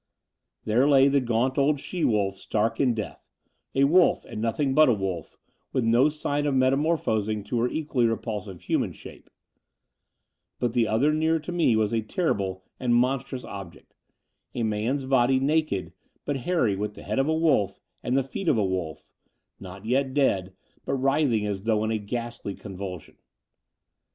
There lay the gaunt old she wolf stark in death, a wolf and nothing but a wolf, with no sign of metamorphosing to her equally repulsive htmian shape: but the other nearer to me was a terrible and monstrous object, a man's body naked but hairy, with the head of a wolf and the feet of a wolf, not yet dead, but writhing as though in a ghastly convulsion.